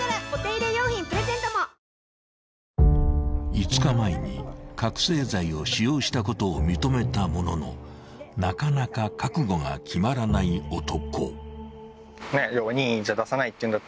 ［５日前に覚醒剤を使用したことを認めたもののなかなか覚悟が決まらない男］